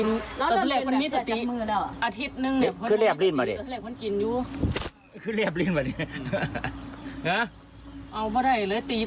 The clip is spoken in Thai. อย่าให้ที่ตกเนี่ยมึงเราจะข่าวระวังเราตกเนี่ย